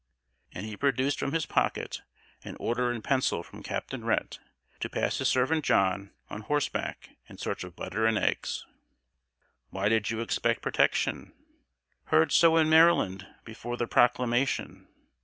And he produced from his pocket an order in pencil from Captain Rhett to pass his servant John, on horseback, in search of butter and eggs. "Why did you expect protection?" "Heard so in Maryland, before the Proclamation."